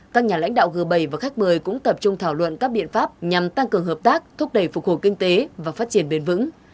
các nhà lãnh đạo g bảy và khách mời cũng tập trung thảo luận các biện pháp nhằm tăng cường hợp tác thúc đẩy phục hồi kinh tế và phát triển bền vững